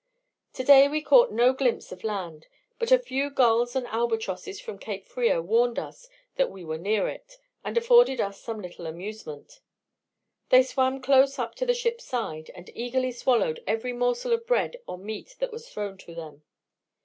Today we caught no glimpse of land; but a few gulls and albatrosses from Cape Frio warned us that we were near it, and afforded us some little amusement. They swam close up to the ship's side, and eagerly swallowed every morsel of bread or meat that was thrown to them.